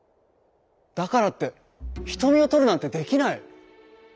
「だからってひとみをとるなんてできない」。